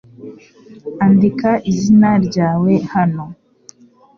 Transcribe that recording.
Andika izina ryawe hano .